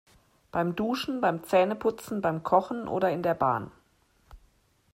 Beim Duschen, beim Zähneputzen, beim Kochen oder in der Bahn.